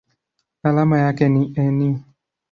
Alama yake ni Ne.